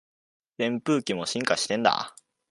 扇風機も進化してんだ